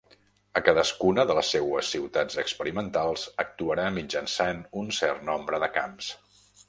A cadascuna de les seues ciutats experimentals, actuarà mitjançant un cert nombre de camps.